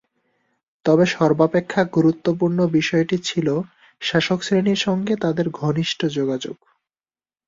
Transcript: তবে সর্বাপেক্ষা গুরুত্বপূর্ণ বিষয়টি ছিল শাসকশ্রেণীর সঙ্গে তাদের ঘনিষ্ঠ যোগাযোগ।